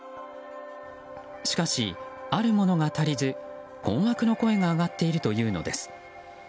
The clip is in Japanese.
しかし、あるものが足りず困惑の声が上がっているというのです。